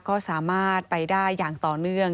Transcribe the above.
ก็สามารถไปได้อย่างต่อเนื่อง